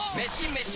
メシ！